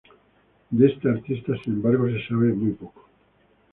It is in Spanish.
De este artista, sin embargo, se sabe muy poco.